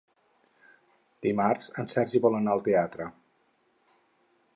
Dimarts en Sergi vol anar al teatre.